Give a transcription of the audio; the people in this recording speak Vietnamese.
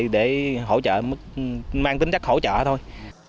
thì hỗ trợ mang tính đắc hỗ trợ thôi